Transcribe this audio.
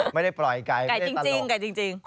ไม่ได้ปล่อยไก่ไม่ได้ตลก